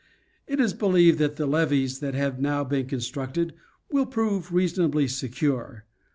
It is believed that the levees that have now been constructed will prove reasonably se cure.